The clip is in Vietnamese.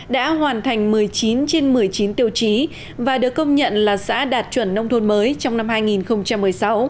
đã hoàn thành một mươi chín trên một mươi chín tiêu chí và được công nhận là xã đạt chuẩn nông thôn mới trong năm hai nghìn một mươi sáu